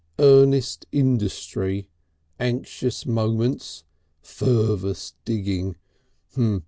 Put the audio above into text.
Earnest industry. Anxious moments. Fervous digging.